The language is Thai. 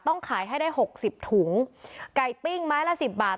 ขายให้ได้หกสิบถุงไก่ปิ้งไม้ละสิบบาท